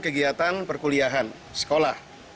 kegiatan perkuliahan sekolah